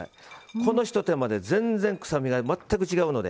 このひと手間で全然臭みが全く違うので。